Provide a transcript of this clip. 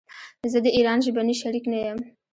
زه د ايران ژبني شريک نه يم.